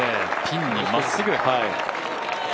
ピンにまっすぐ。